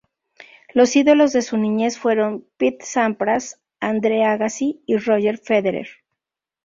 Los ídolos de su niñez fueron Pete Sampras, Andre Agassi y Roger Federer.